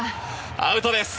アウトです。